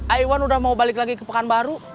aiwan udah mau balik lagi ke pekanbaru